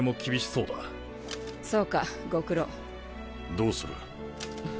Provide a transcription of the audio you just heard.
どうする？